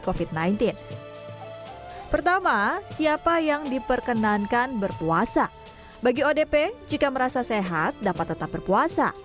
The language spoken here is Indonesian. covid sembilan belas pertama siapa yang diperkenankan berpuasa bagi odp jika merasa sehat dapat tetap berpuasa